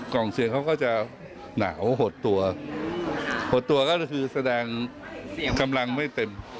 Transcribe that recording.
เสียงเขาก็จะหนาวหดตัวหดตัวก็คือแสดงกำลังไม่เต็ม